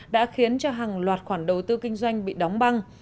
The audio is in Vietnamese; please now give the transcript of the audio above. đã khiến cho hàng loạt khoản đầu tư kinh doanh bị đóng băng